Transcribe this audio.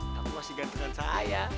tapi masih gantengan saya